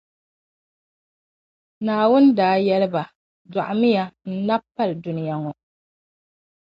"Naawuni daa yɛli ba, “Dɔɣimiya n-nab’ pali dunia ŋɔ."